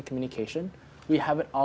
komunikasi para guru pembelajar